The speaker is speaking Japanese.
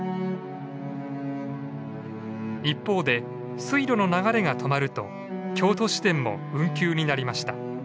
一方で水路の流れが止まると京都市電も運休になりました。